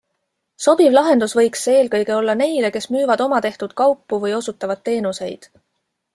Sobiv lahendus võiks see eelkõige olla neile, kes müüvad omatehtud kaupu või osutavad teenuseid.